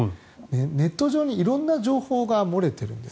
ネット上に色んな情報が漏れているんです。